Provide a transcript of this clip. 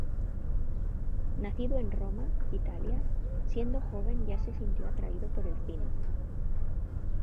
Nacido en Roma, Italia, siendo joven ya se sintió atraído por el cine.